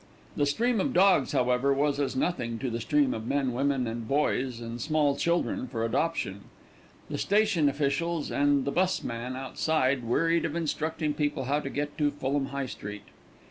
The stream of dogs, however, was as nothing to the stream of men, women and boys, and small children for adoption. The station officials and the bus men outside wearied of instructing people how to get to Fulham High Street.